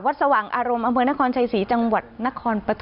วัดสว่างอารมณ์อำเมืองนครชัยศรีจังหวัดนครปทธิ์